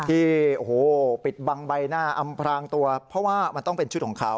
ที่โอ้โหปิดบังใบหน้าอำพรางตัวเพราะว่ามันต้องเป็นชุดของเขา